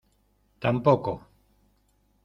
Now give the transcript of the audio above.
tampoco.